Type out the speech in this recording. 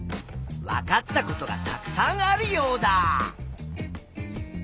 わかったことがたくさんあるヨウダ！